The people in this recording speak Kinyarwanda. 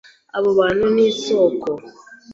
Abo bantu ni isoko,